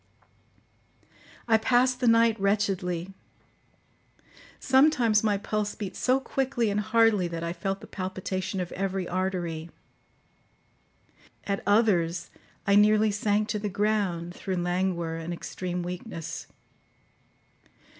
I passed the night wretchedly. Sometimes my pulse beat so quickly and hardly that I felt the palpitation of every artery; at others, I nearly sank to the ground through languor and extreme weakness.